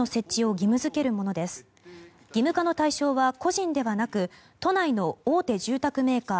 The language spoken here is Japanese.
義務化の対象は個人ではなく都内の大手住宅メーカー